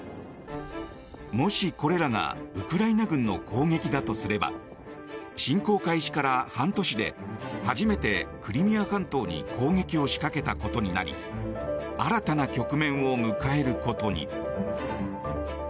もしこれらがウクライナ軍の攻撃だとすれば侵攻開始から半年で初めてクリミア半島に攻撃を仕掛けたことになり新たな局面を迎えることに。